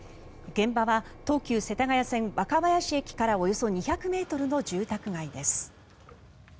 現場は東急世田谷線若林駅からおよそ２００ｍの住宅街です。